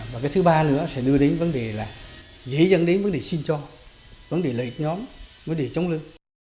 và cái thứ ba nữa sẽ đưa đến vấn đề là dễ dàng đến vấn đề xin cho vấn đề lệch nhóm vấn đề chống lương